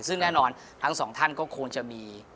ซึ่งแน่นอนทั้งสองท่านก็ควรจะมี